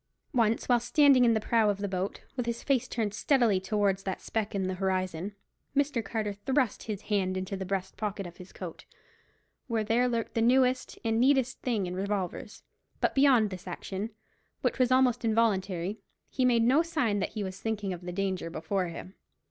Once, while standing in the prow of the boat, with his face turned steadily towards that speck in the horizon, Mr. Carter thrust his hand into the breast pocket of his coat, where there lurked the newest and neatest thing in revolvers; but beyond this action, which was almost involuntary, he made no sign that he was thinking of the danger before him.